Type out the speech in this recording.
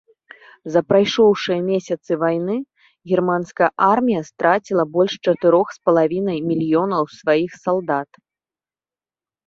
За прайшоўшыя месяцы вайны германская армія страціла больш чатырох з палавінай мільёнаў сваіх салдат.